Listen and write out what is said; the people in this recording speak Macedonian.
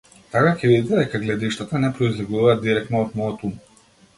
Така ќе видите дека гледиштата не произлегуваат дирекно од мојот ум.